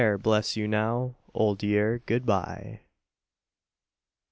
bless you now! Old Year, good bye!